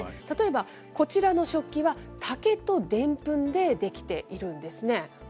例えば、こちらの食器は竹とデンプンで出来ているんですね。